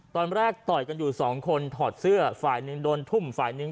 ต่อยกันอยู่สองคนถอดเสื้อฝ่ายหนึ่งโดนทุ่มฝ่ายหนึ่ง